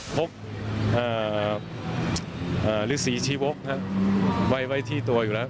ภพหรือศรีชีพภพไว้ที่ตัวอยู่แล้ว